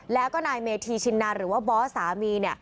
แล้วก็นายเมธีชินนาหรือว่าบอสสามี